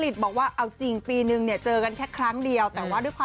สมัยที่เราถ่ายในสตูดิโอ